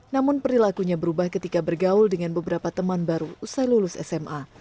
namun perilakunya berubah ketika bergaul dengan beberapa teman baru usai lulus sma